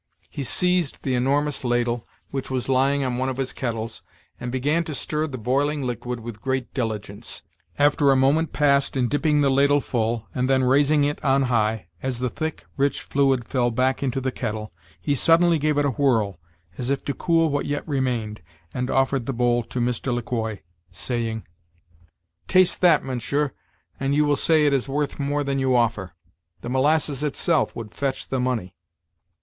He seized the enormous ladle, which was lying on one of his kettles, and began to stir the boiling liquid with great diligence. After a moment passed in dipping the ladle full, and then raising it on high, as the thick rich fluid fell back into the kettle, he suddenly gave it a whirl, as if to cool what yet remained, and offered the bowl to Mr. Le Quoi, saying: "Taste that, mounsher, and you will say it is worth more than you offer. The molasses itself would fetch the money."